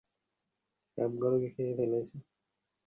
সবগুলোকে খেয়ে ফেলেছে।